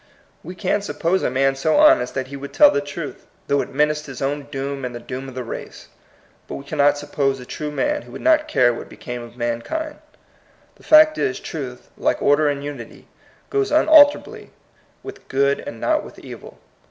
We can suppose a man so honest that he would tell the truth, though it menaced his own doom and the doom of the race. But we cannot suppose a true man who would not care what be came of mankind. The fact is, truth, like order and unity, goes unalterably with good and not with evil.